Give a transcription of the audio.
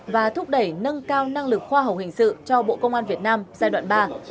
và thúc đẩy nâng cao năng lực khoa học hình sự cho bộ công an việt nam giai đoạn ba